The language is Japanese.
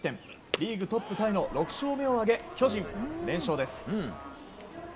リーグトップタイの６勝目を挙げ巨人、連勝です。